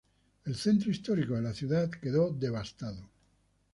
El centro histórico de la ciudad quedó devastado.